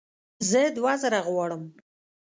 زه دوه زره غواړم